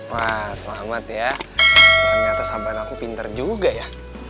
wah selamat ya ternyata sambahan aku pinter juga ya